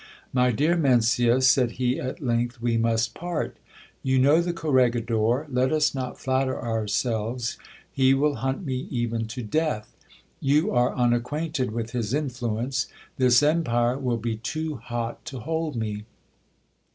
My dear Mencia, said he at length, we must part. You know the corregidor : let us not flatter ourselves ; he will hunt me even to death. You are unacquainted I with his influence ; this empire will be too hot to hold me.